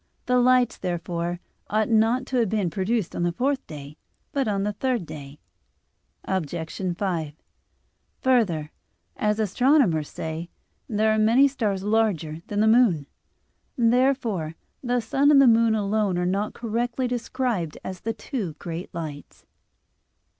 The lights, therefore, ought not to have been produced on the fourth day, but on the third day. Obj. 5: Further, as astronomers say, there are many stars larger than the moon. Therefore the sun and the moon alone are not correctly described as the "two great lights."